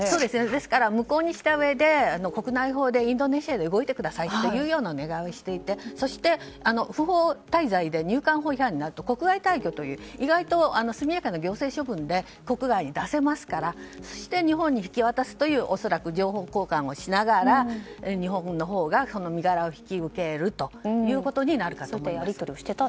ですから無効にしたうえで国内法でインドネシアで動いてくださいというようなお願いをしていてそして不法滞在で入管法違反になると国外退去という意外と速やかな行政処分で国外に出せますからそして日本に引き渡すという恐らく情報交換をしながら日本のほうが身柄を引き受けるということになるかと思います。